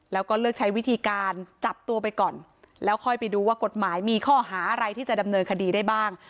แล้วก็เลือกใช้วิธีการจับตัวไปก่อนแล้วค่อยไปดูว่ากฎหมายมีข้อหาอะไรที่จะดำเนินคดีได้บ้าง